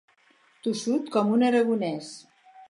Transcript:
Tossut com un aragonès.